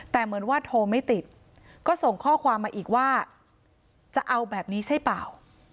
แต่เหมือนว่าโทรไม่ติดก็ส่งข้อความมาอีกว่าจะเอาแบบนี้ใช่เปล่า